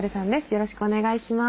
よろしくお願いします。